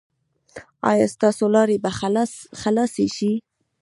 ایا ستاسو لارې به خلاصې شي؟